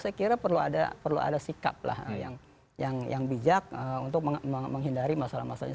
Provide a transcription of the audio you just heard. saya kira perlu ada sikap yang bijak untuk menghindari masalah masalah ini